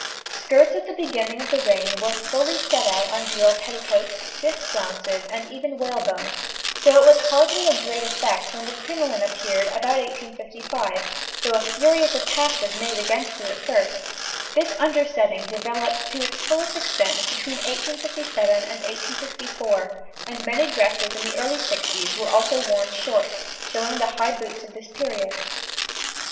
Skirts at the beginning of the reign were fully set out on drill petticoats, stiff flounces, and even whalebone, so it was hardly "a great effect" when the crinoline appeared about 1855, though a furious attack was made against it at first; this undersetting developed to its fullest extent between 1857 and 1864, and many dresses in the early sixties were also worn short, showing the high boots of this period.